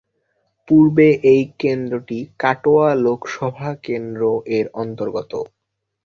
পূর্বে এই কেন্দ্রটি কাটোয়া লোকসভা কেন্দ্র এর অন্তর্গত।